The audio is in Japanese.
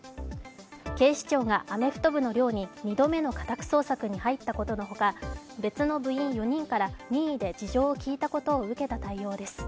警視庁がアメフト部の寮に２度目の家宅捜索に入ったことのほか、別の部員４人から任意で事情を聴いたことを受けた対応です。